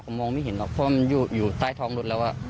ผมมองไม่เห็นหรอกเพราะว่ามันอยู่ใต้ท้องรถแล้ว